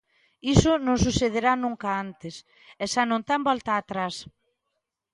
Iso non sucedera nunca antes, e xa non ten volta atrás.